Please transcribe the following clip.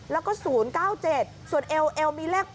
๘๓๕แล้วก็๐๙๗ส่วนเอวมีเลข๘๑๐